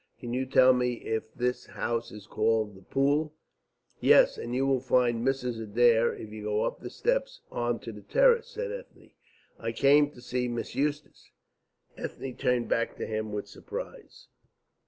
Can you tell me if this house is called The Pool?" "Yes; you will find Mrs. Adair if you go up the steps on to the terrace," said Ethne. "I came to see Miss Eustace." Ethne turned back to him with surprise.